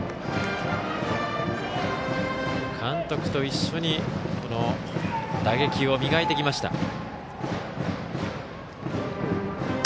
監督と一緒に打撃を磨いてきました。